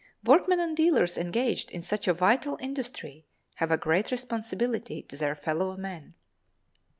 Workmen and dealers engaged in such a vital industry have a great responsibility to their fellow men.